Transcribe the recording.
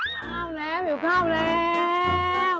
ข้าวแล้วหิวข้าวแล้ว